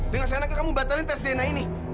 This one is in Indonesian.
dengar seenaknya kamu batalin tes dna ini